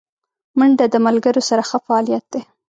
منډه د ملګرو سره ښه فعالیت دی